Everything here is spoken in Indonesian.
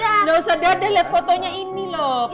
enggak usah dadah lihat fotonya ini loh